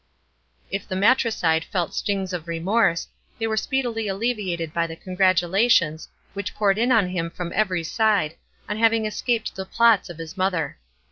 If the matricide felt stings of remorse, they were speedily alleviated by the congratulations, which poured in on him from every side, on having escaped the plots of his mother.